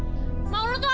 aurel akan tambah celaka